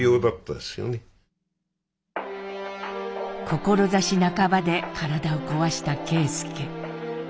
志半ばで体をこわした啓介。